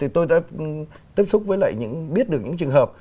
tôi đã tiếp xúc với lại những biết được những trường hợp